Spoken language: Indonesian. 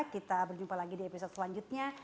kita berjumpa lagi di episode selanjutnya